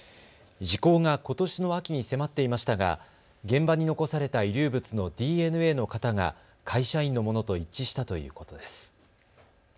時効がことしの秋に迫っていましたが現場に残された遺留物のＤＮＡの型が会社員のものと一致したということです。